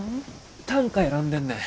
短歌選んでんねん。